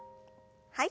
はい。